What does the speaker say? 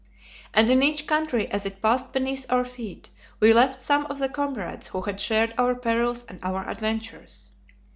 And in each country as it passed beneath our feet, we left some of the comrades who had shared our perils and our adventures.